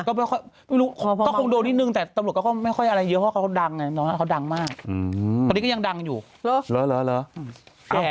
ติดติดติดติดติดติดติดติดติดติดติดติดติดติดติดติด